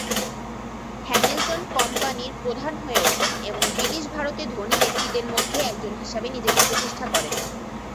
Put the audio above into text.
Hamilton কোম্পানির প্রধান হয়ে ওঠেন এবং ব্রিটিশ ভারতে ধনী ব্যক্তিদের মধ্যে একজন হিসাবে নিজেকে প্রতিষ্ঠা করেন।